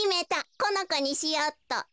このこにしようっと。